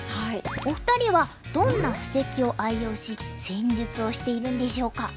お二人はどんな布石を愛用し戦術をしているんでしょうか。